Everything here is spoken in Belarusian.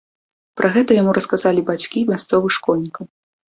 Пра гэта яму расказалі бацькі мясцовых школьнікаў.